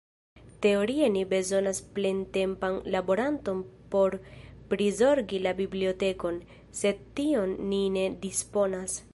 Teorie ni bezonas plentempan laboranton por prizorgi la bibliotekon, sed tion ni ne disponas.